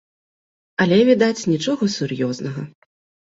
Але, відаць, нічога сур'ёзнага.